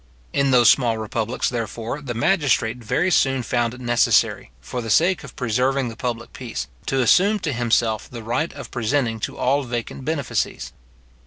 In those small republics, therefore, the magistrate very soon found it necessary, for the sake of preserving the public peace, to assume to himself the right of presenting to all vacant benefices.